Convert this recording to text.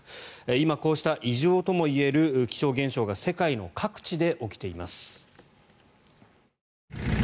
今、こうした異常ともいえる気象現象が世界の各地で起きています。